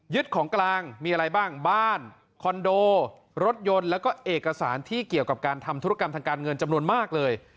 ของกลางมีอะไรบ้างบ้านคอนโดรถยนต์แล้วก็เอกสารที่เกี่ยวกับการทำธุรกรรมทางการเงินจำนวนมากเลย